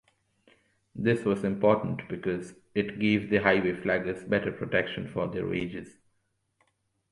This was important because it gave the highway flaggers better protection for their wages.